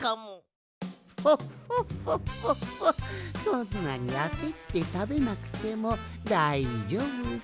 そんなにあせってたべなくてもだいじょうぶじゃ。